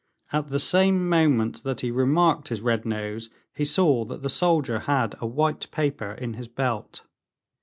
At the same moment that he remarked his red nose, he saw that the soldier had a white paper in his belt.